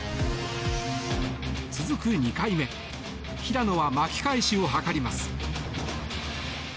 続く２回目平野は巻き返しを図ります。